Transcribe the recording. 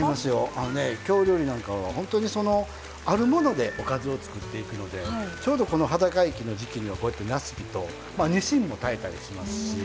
あのね京料理なんかはほんとにそのあるものでおかずを作っていくのでちょうどこの端境期の時期にはこうやってなすびとにしんも炊いたりしますし。